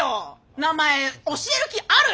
名前教える気ある？